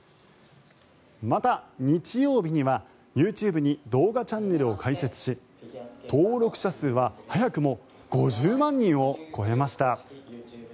また、日曜日にはＹｏｕＴｕｂｅに動画チャンネルを開設し登録者数は早くも５０万人を超えました。